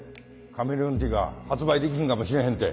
カメレオンティーが発売できひんかもしれへんって。